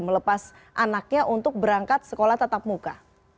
melepas anaknya untuk berangkat sekolah tatap muka